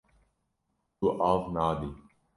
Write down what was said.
Tu av nadî.